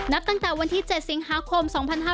นับตั้งแต่วันที่๗สิงหาคม๒๕๕๙